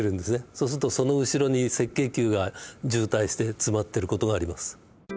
そうするとその後ろに赤血球が渋滞して詰まってる事があります。